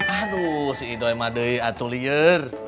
aduh si ido emang ada atelier